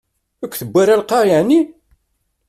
Ur k-tewwi ara lqaɛa, ɛni?